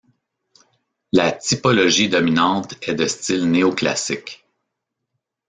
La typologie dominante est de style néoclassique.